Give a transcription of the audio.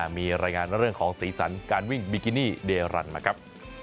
มีรายงานเรื่องของสีสันการวิ่งบิกินี่เดรันมาครับ